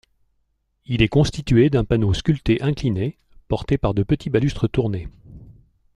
Il est constitué d'un panneau sculpté incliné, porté par de petits balustres tournés.